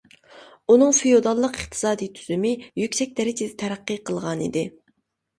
ئۇنىڭ فېئوداللىق ئىقتىسادىي تۈزۈمى يۈكسەك دەرىجىدە تەرەققىي قىلغانىدى.